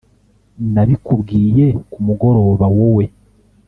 nabikubwiye kumugoroba wowe